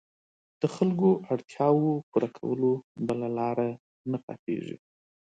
د خلکو اړتیاوو پوره کولو بله لاره نه پاتېږي.